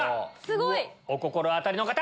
すごい！お心当たりの方！